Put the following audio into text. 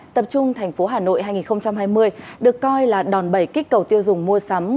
tập trung thành phố hà nội hai nghìn hai mươi được coi là đòn bẩy kích cầu tiêu dùng mua sắm